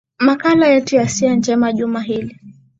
makala yetu ya siha njema juma hili